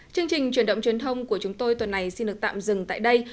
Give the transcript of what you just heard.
chương trình truyền động truyền thông của chúng tôi tuần này xin được tạm dừng tại đây